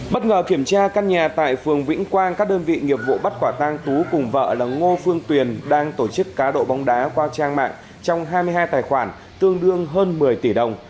bất ngờ kiểm tra căn nhà tại phường vĩnh quang các đơn vị nghiệp vụ bắt quả tang tú cùng vợ là ngô phương tuyền đang tổ chức cá độ bóng đá qua trang mạng trong hai mươi hai tài khoản tương đương hơn một mươi tỷ đồng